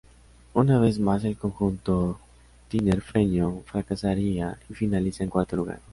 Una vez más el conjunto tinerfeño fracasaría y finaliza en cuarto lugar.